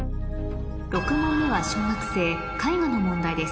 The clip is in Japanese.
６問目は小学生絵画の問題です